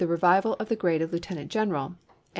revival of the grade of lieutenant general, and ise*.